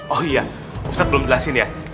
oh iya ustadz belum jelasin ya